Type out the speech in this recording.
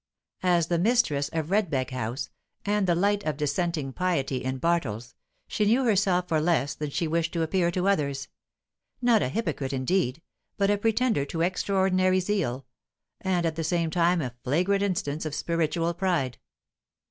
As the mistress of Redbeck House, and the light of dissenting piety in Bartles, she knew herself for less than she wished to appear to others; not a hypocrite, indeed, but a pretender to extraordinary zeal, and at the same time a flagrant instance of spiritual pride.